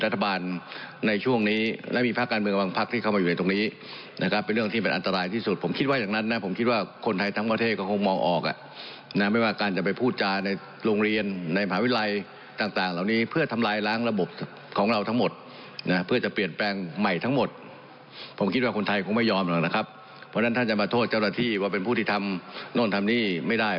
ท่านจะมาโทษเจ้าหน้าที่ว่าเป็นผู้ที่ทำนั่นทำนี่ไม่ได้